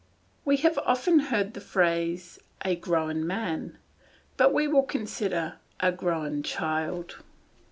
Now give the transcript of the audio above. We have often heard the phrase "a grown man;" but we will consider "a grown child."